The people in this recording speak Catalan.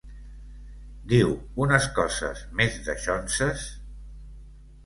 Diu unes coses més daixonses.